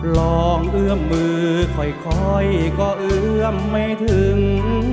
เอื้อมมือค่อยก็เอื้อมไม่ถึง